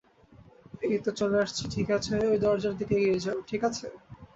এইতো চলে আসছি ঠিক আছে ঐ দরজার দিকে এগিয়ে যাও ঠিক আছে?